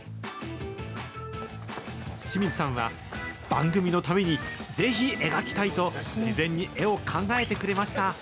志水さんは、番組のためにぜひ描きたいと、事前に絵を考えてくれました。